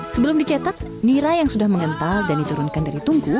sebelum dicetak nira yang sudah mengental dan diturunkan dari tungku